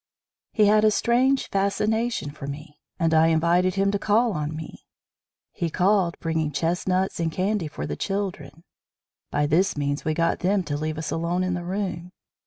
He had a strange fascination for me, and I invited him to call on me. He called, bringing chestnuts and candy for the children. By this means we got them to leave us alone in the room.